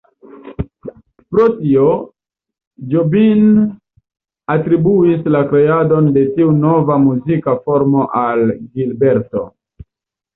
Pro tio, Jobim atribuis la kreadon de tiu nova muzika formo al Gilberto.